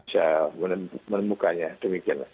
bisa menemukannya demikian